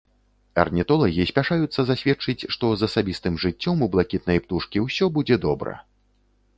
Арнітолагі спяшаюцца засведчыць, што з асабістым жыццём у блакітнай птушкі ўсё будзе добра.